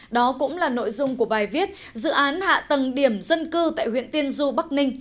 đó cũng là nội dung của bài viết dự án hạ tầng điểm dân cư tại huyện tiên du bắc ninh